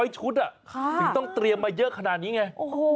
ชุดถึงต้องเตรียมมาเยอะขนาดนี้ไง